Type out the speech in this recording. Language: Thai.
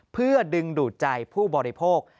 เพื่อดึงดูดใจผู้บริโภค